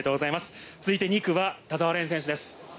２区は田澤廉選手です。